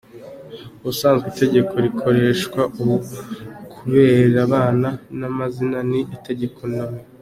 Ubusanzwe itegeko rikoreshwa ubu ku birebana n’amazina ni itegeko No.